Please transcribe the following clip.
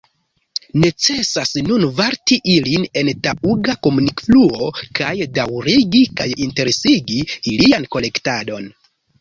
Necesas nun varti ilin en taŭga komunikfluo kaj daŭrigi kaj intensigi ilian kolektadon.